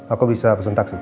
aku bisa pesen taksi